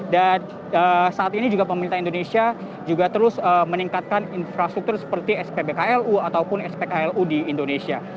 dan saat ini juga pemerintah indonesia terus meningkatkan infrastruktur seperti spbklu ataupun spklu di indonesia